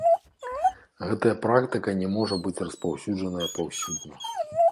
Гэтая практыка не можа быць распаўсюджаная паўсюдна.